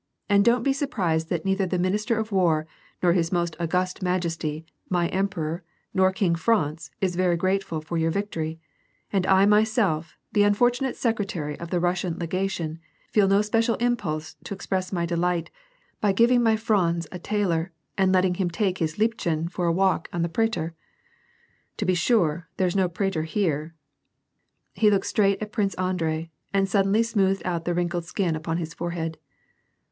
And don't be surprised that neither the minister of war, nor his most august majesty, the emperor, nor King Franz is very grateful for your victory, and I myself, the unfortunate secretary of the Russian legation, feel no special impulse to express my delight by giv ing my Franz a thaler and letting him take his Liebchen for a walk in the prater. To be sure, there's no prater here !" He looked straight at Prince Andrei, and suddenly smoothed out the wrinkled skin upon his forehead.